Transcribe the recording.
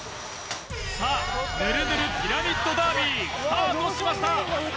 さあぬるぬるピラミッドダービースタートしました！